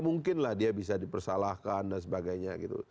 gak mungkin lah dia bisa dipersalahkan dan sebagainya gitu